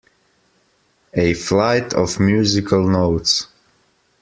A flight of musical notes.